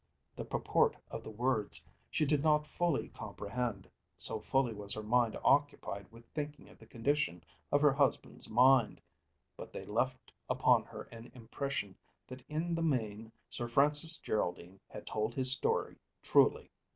The purport of the words she did not fully comprehend, so fully was her mind occupied with thinking of the condition of her husband's mind; but they left upon her an impression that in the main Sir Francis Geraldine had told his story truly.